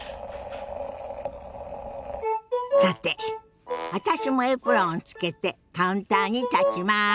さて私もエプロンをつけてカウンターに立ちます。